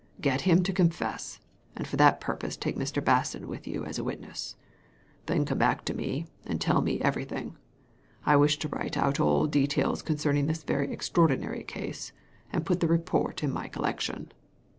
Get him to confess, and for that purpose take Mr. Basson with you as a witness; then come back to me, and tell me everything. I wish to write out all details concern ing this very extraordinary case, and put the report in my collection."